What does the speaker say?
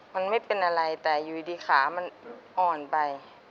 มันไม่เป็นอะไรแต่อยู่ดีขามันอ่อนไป